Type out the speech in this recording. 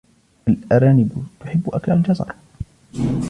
الأرانب تحب أكل الجزر.